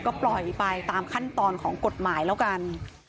ก็ปล่อยไปตามขั้นตอนของกฎหมายแล้วกัน